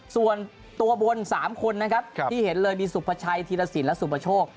ส่วนตัวบน๓คนที่เห็นเลยมีสุพชัยธีระสินและสุพชก